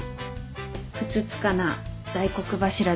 ふつつかな大黒柱ですが